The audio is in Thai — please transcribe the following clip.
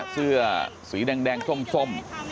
เพื่อสีแดงส้มส้ม